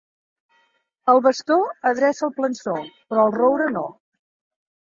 El bastó adreça el plançó, però el roure no.